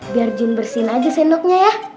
biar jin bersihin aja sendoknya ya